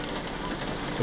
pada saat ini